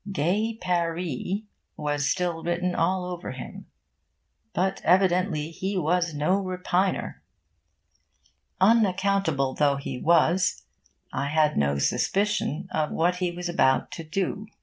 'Gay Paree' was still written all over him. But evidently he was no repiner. Unaccountable though he was, I had no suspicion of what he was about to do.